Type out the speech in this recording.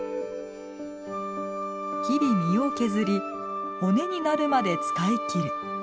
日々身を削り骨になるまで使い切る。